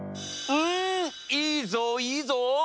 うんいいぞいいぞ！